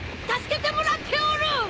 助けてもらっておる！